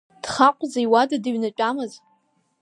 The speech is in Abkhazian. Дхаҟәӡа иуада дыҩнатәамыз.